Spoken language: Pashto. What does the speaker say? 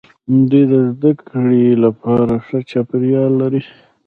دوی د زده کړې لپاره ښه چاپیریال لري.